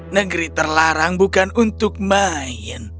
negeri terlarang bukan untuk main